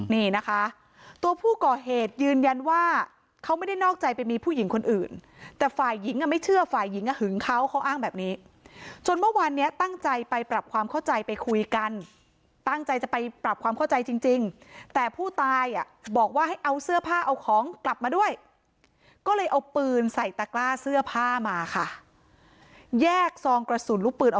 นี่นะคะตัวผู้ก่อเหตุยืนยันว่าเขาไม่ได้นอกใจไปมีผู้หญิงคนอื่นแต่ฝ่ายหญิงอ่ะไม่เชื่อฝ่ายหญิงอ่ะหึงเขาเขาอ้างแบบนี้จนเมื่อวานเนี้ยตั้งใจไปปรับความเข้าใจไปคุยกันตั้งใจจะไปปรับความเข้าใจจริงแต่ผู้ตายอ่ะบอกว่าให้เอาเสื้อผ้าเอาของกลับมาด้วยก็เลยเอาปืนใส่ตะกล้าเสื้อผ้ามาค่ะแยกซองกระสุนลูกปืน